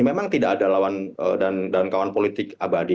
memang tidak ada lawan dan kawan politik abadi